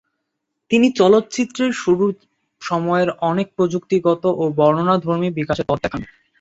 তিনি চলচ্চিত্রের শুরুর সময়ের অনেক প্রযুক্তিগত ও বর্ণনাধর্মী বিকাশের পথ দেখান।